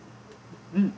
うん。